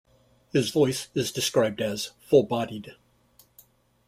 His voice is described as full-bodied.